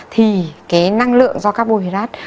thì cái năng lượng do carbohydrate